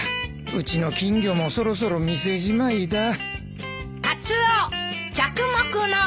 うちの金魚もそろそろ店じまいだ。